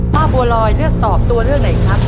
บัวลอยเลือกตอบตัวเลือกไหนครับ